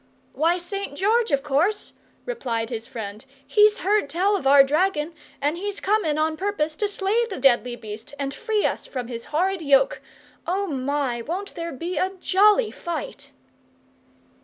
"Why, St. George, of course," replied his friend. "He's heard tell of our dragon, and he's comin' on purpose to slay the deadly beast, and free us from his horrid yoke. O my! won't there be a jolly fight!"